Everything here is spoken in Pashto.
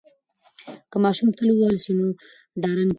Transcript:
که ماشوم تل ووهل سي نو ډارن کیږي.